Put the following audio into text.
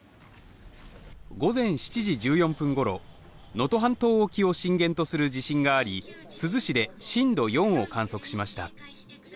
午前７時１４分ごろ能登半島沖を震源とする地震があり珠洲市で震度４を観測しました。